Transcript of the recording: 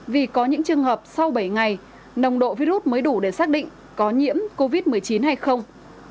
vì có những trường hợp sau bảy ngày nồng độ virus mới đủ để xác định có nhiễm covid một mươi chín hay không